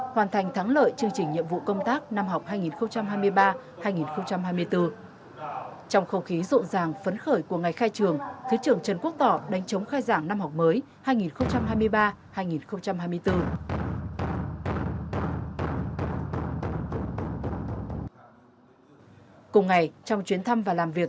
hoàn thành thắng lợi chương trình nhiệm vụ công tác năm học hai nghìn hai mươi ba hai nghìn hai mươi bốn